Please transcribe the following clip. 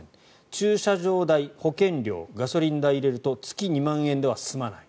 駐車場代、保険料ガソリン代を入れると月２万円では済まない。